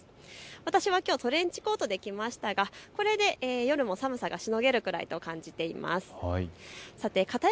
私はきょう、トレンチコートで来ましたがこれで夜も寒さがしのげるくらいと感じています。